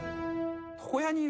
床屋にいる？